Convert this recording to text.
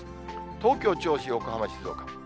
東京、銚子、横浜、静岡。